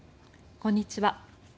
こんにちは。